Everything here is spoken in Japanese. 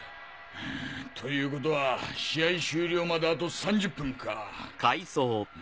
うむということは試合終了まであと３０分か。